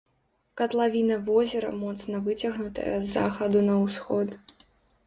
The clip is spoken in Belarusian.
Катлавіна возера моцна выцягнутая з захаду на ўсход.